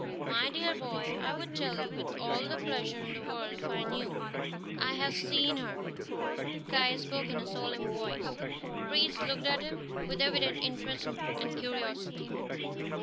"My dear boy, I would tell you with all the pleasure in the world if I knew." "I have seen her." Caius spoke in a solemn voice. The priest looked at him with evident interest and curiosity.